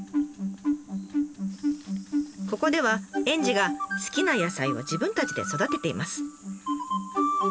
ここでは園児が好きな野菜を自分たちで育てています。